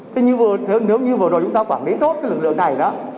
thế nhưng nếu như vừa rồi chúng ta quản lý tốt cái lực lượng này đó